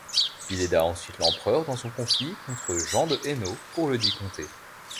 Il aida ensuite l'Empereur dans son conflit contre Jean de Hainaut pour ledit Comté.